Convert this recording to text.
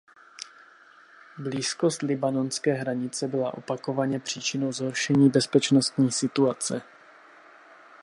Blízkost libanonské hranice byla opakovaně příčinou zhoršení bezpečnostní situace.